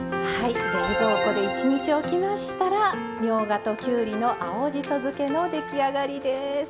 冷蔵庫で１日おきましたらみょうがときゅうりの青じそ漬けの出来上がりです。